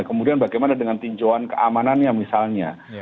kemudian bagaimana dengan tinjauan keamanannya misalnya